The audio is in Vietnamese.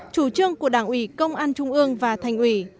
chủ trương của đảng ủy công an trung ương và thành ủy